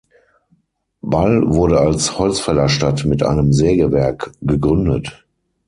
Ball wurde als Holzfällerstadt mit einem Sägewerk gegründet.